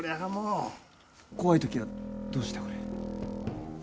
怖い時は、どうしておる？